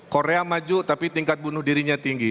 korea maju tapi tingkat bunuh dirinya tinggi